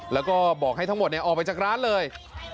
แล้วก็บอกให้ทั้งหมดออกไปจากร้านเลย